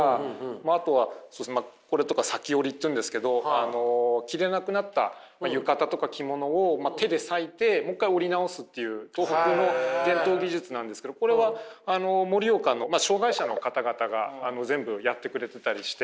あとはこれとか裂き織りっていうんですけど着れなくなった浴衣とか着物を手で裂いてもう一回織り直すっていう東北の伝統技術なんですけどこれは盛岡の障害者の方々が全部やってくれてたりして。